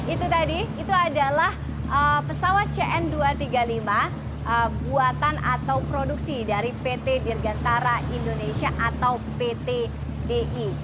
itu tadi itu adalah pesawat cn dua ratus tiga puluh lima buatan atau produksi dari pt dirgantara indonesia atau pt di